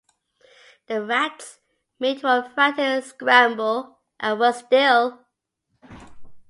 The rats made one frantic scramble, and were still.